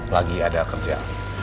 lagi ada kerja